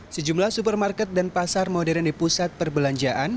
sejumlah supermarket dan pasar modern di pusat perbelanjaan